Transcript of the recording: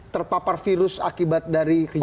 terpapar virus akibat dari kejadian ini